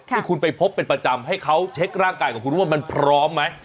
ที่คุณไปพบเป็นประจำให้เขาเช็คร่างกายของคุณว่ามันพร้อมไหม